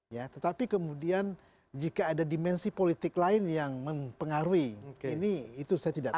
ya tetapi kemudian jika ada dimensi politik lain yang mempengaruhi ini itu saya tidak tahu